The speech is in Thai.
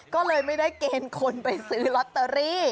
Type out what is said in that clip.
ก็เลยไม่ได้เกณฑ์คนไปซื้อลอตเตอรี่